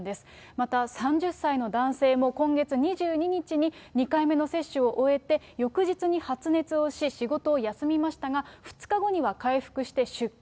また３０歳の男性も、今月２２日に２回目の接種を終えて、翌日に発熱をし、仕事を休みましたが、２日後には回復して出勤。